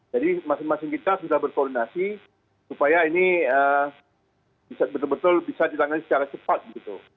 jadi masing masing kita sudah berkoordinasi supaya ini bisa betul betul bisa ditangani secara cepat begitu